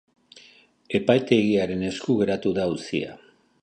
Epaitegiaren esku geratu da auzia.